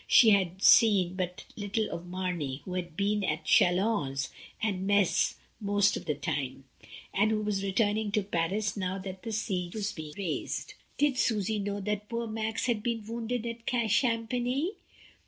She had seen but little of Mamey, who had been at Ch^ons and Metz most of the time, and who was returning to Paris now that the siege was being raised. Did Susy know that poor Max had been wounded at Cham pigny?